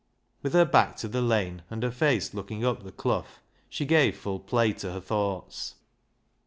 With her back to the lane, and her face look ing up the Clough, she gave full play to her thoughts.